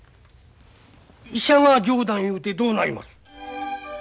医者が冗談言うてどうなります。